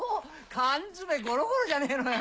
缶詰ゴロゴロじゃねえのよ。